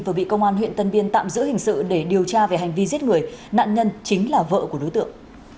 vừa bị công an huyện tân biên tạm giữ hình sự để điều tra về hành vi giết người nạn nhân chính là vợ của đối tượng